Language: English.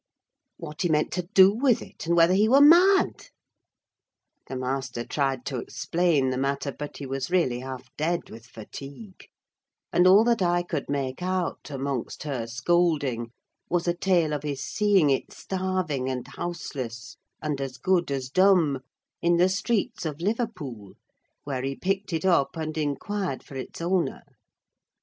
What he meant to do with it, and whether he were mad? The master tried to explain the matter; but he was really half dead with fatigue, and all that I could make out, amongst her scolding, was a tale of his seeing it starving, and houseless, and as good as dumb, in the streets of Liverpool, where he picked it up and inquired for its owner.